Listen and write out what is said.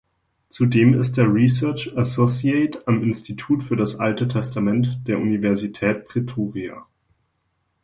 Zudem ist er Research Associate am Institut für das Alte Testament der Universität Pretoria.